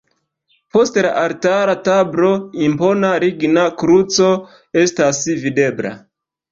Post la altara tablo impona ligna kruco estas videbla.